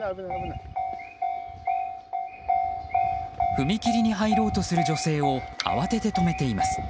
踏切に入ろうとする女性を慌てて止めています。